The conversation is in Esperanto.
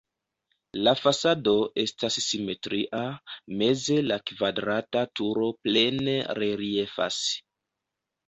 La fasado estas simetria, meze la kvadrata turo plene reliefas.